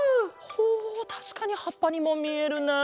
ほうたしかにはっぱにもみえるな。